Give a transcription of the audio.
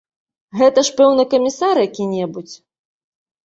Гэта ж, пэўна, камісар які-небудзь.